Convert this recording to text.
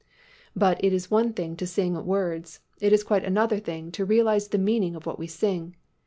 But it is one thing to sing words; it is quite another thing to realize the meaning of what we sing.